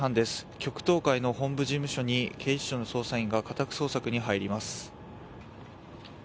極東会の本部事務所に警視庁の捜査員が家宅捜索に入ります。